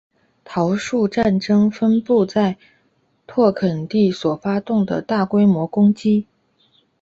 桃树战争分布的拓垦地所发动的大规模攻击。